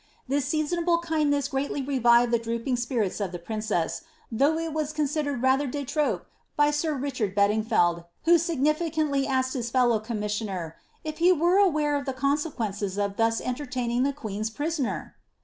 This seasonable kindness greatly revived the drooping spirits of the princess, though it was considered rather de trap by sir Richard Bed ingfeld, who significantly asked his fellow commissioner, ^ if he werr ■ware of the consequences of thus entertaining the queen's prisoner